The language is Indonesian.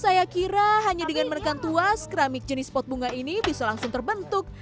saya kira hanya dengan menekan tuas keramik jenis pot bunga ini bisa langsung terbentuk